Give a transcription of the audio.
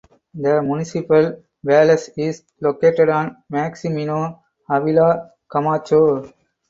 The Municipal Palace is located on Maximino Avila Camacho.